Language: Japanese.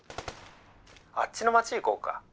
あっちの街行こうか？」。